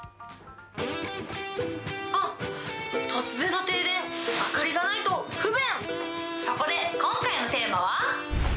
あっ、突然の停電、明かりがないと不便。